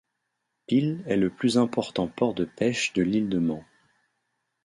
Peel est le plus important port de pêche de l'ile de Man.